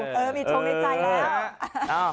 เออมีชมในใจนะ